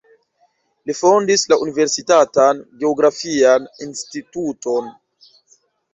Li fondis la universitatan geografian instituton.